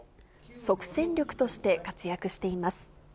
即戦力として活躍しています。